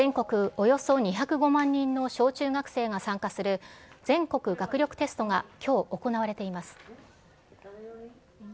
およそ２０５万人の小中学生が参加する全国学力テストがきょう行われています。